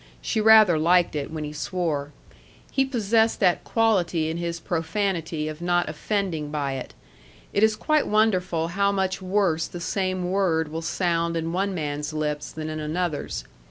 She rather liked it when he swore. He possessed that quality in his profanity of not offending by it. It is quite wonderful how much worse the same word will sound in one man's lips than in another's.